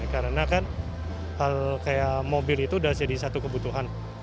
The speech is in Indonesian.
karena kan hal kayak mobil itu sudah jadi satu kebutuhan